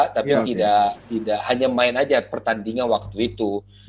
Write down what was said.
tapi tidak hanya main aja pertandingan waktu itu